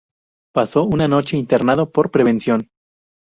Pasó una noche internado por prevención.